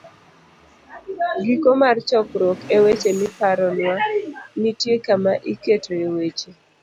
ii- Giko mar chokruok E weche miparonwa, nitie kama iketoe weche